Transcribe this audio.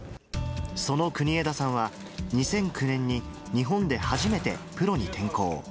その国枝さんは、２００９年に日本で初めてプロに転向。